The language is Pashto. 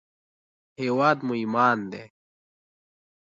هېواد مو ایمان دی